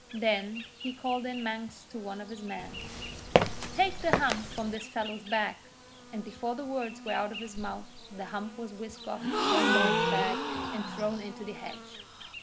Then he called in Manx to one of his men: 'Take the hump from this fellow's back,' and before the words were out of his mouth the hump was whisked off Tom Beg's back and thrown into the hedge.